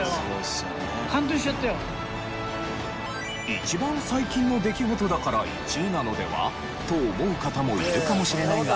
一番最近の出来事だから１位なのでは？と思う方もいるかもしれないが。